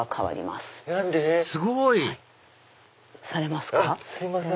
すいません。